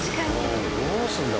どうするんだ？